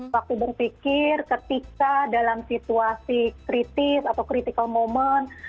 waktu berpikir ketika dalam situasi kritis atau critical moment